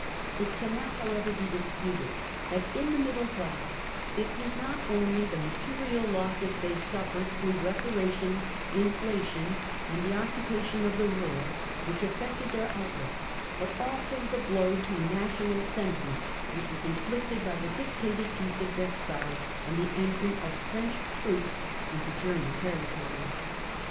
It cannot how ever be disputed that in the middle class it was not only the materia] losses they suffered through reparations, inflation and the occupation of the Ruhr which affected their outlook but also the blow to national sentiment which was inflicted 1 by the dictated Peace of Versailles and the entry of French troops into German territory.